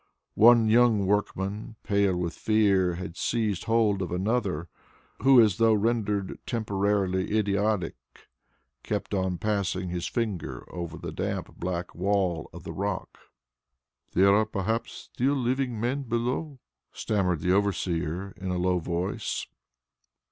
One young workman, pale with fear, had seized hold of another, who as though rendered temporarily idiotic, kept on passing his finger over the damp black wall of the rock. "There are perhaps still living men below," stammered the overseer in a low voice.